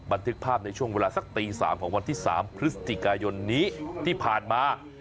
บันทึกภาพในช่วงเวลาสักตี๓ของวันที่๓พฤศจิกายนนี้ที่ผ่านมา